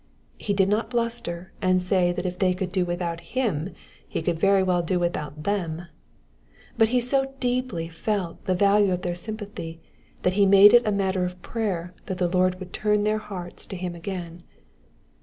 He did not bluster and say that if they could do without him^ he could very well do without them; but he so deeply felt the value of their sympathy, that he made it a matter of prayer that the Lord would turn their hearts to him again.